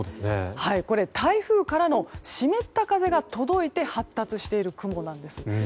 これ、台風からの湿った風が届いて発達している雲なんです。